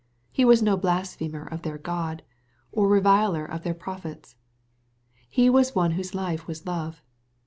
He was no blasphemer of their God, or reviler of their pro phets. He was one whose life was love.